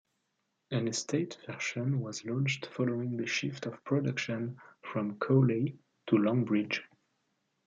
An estate version was launched following the shift of production from Cowley to Longbridge.